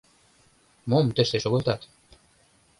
— Мом тыште шогылтат?